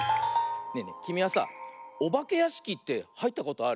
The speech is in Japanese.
ねえねえきみはさあおばけやしきってはいったことある？